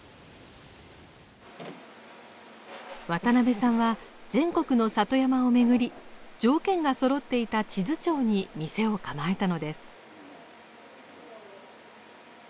渡邉さんは全国の里山を巡り条件がそろっていた智頭町に店を構えたのです。